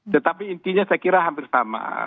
tetapi intinya saya kira hampir sama